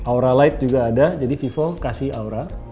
aura light juga ada jadi vivo kasih aura